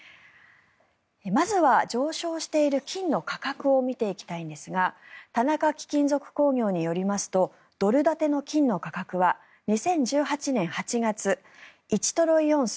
まずは上昇している金の価格を見ていきたいんですが田中貴金属工業によりますとドル建ての金の価格は２０１８年８月１トロイオンス